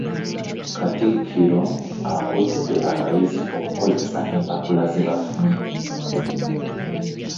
Katikkiro akuutidde abayizi okukozesa empapula ze bafunye